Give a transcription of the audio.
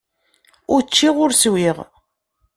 Ur ččiɣ ur swiɣ.